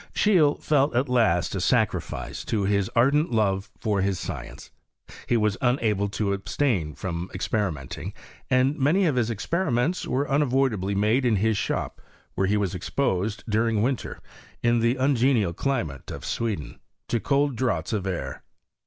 Scheele fell at last a sacrifice to his ardent lore for liis science. He was unable to abstain frtan ex perimenting, and many of his experiments n unavoidably made in his shop, where he was exposed during winter, in the ungenial climate of Sweden, to cold draughts of air.